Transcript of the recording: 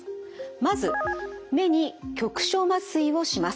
まず目に局所麻酔をします。